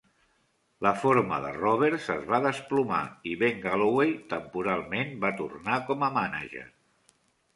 La forma de Rovers es va desplomar i Ben Galloway, temporalment, va tornar com a manager.